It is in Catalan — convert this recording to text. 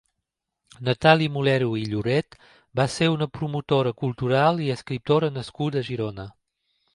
Natàlia Molero i Lloret va ser una promotora cultural i escriptora nascuda a Girona.